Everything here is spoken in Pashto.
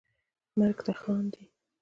مرګ ته خاندي